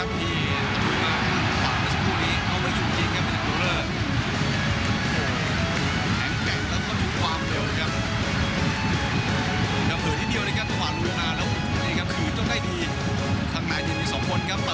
ผ่านที่อูหนึ่งศูนย์เลยครับจังหวังที่ของโดยดูได้ครับ